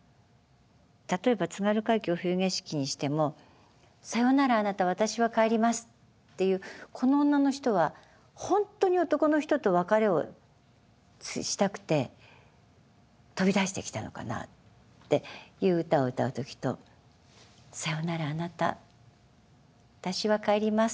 例えば「津軽海峡・冬景色」にしても「さよならあなた私は帰ります」っていうこの女の人はほんとに男の人と別れをしたくて飛び出してきたのかなっていう歌を歌う時と「さよならあなた私は帰ります。